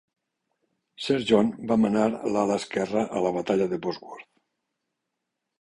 Sir John va manar l'ala esquerra a la batalla de Bosworth.